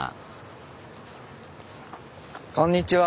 こんにちは。